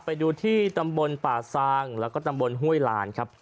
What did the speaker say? ไปดูที่ตำบลป่าซางแล้วก็ตำบลห้วยลานครับ